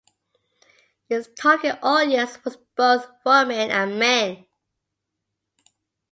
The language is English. Its target audience was both women and men.